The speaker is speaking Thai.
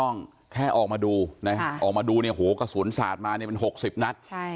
อนเมื่อกลุ่มสันสะดดอยู่มี๖๐นัด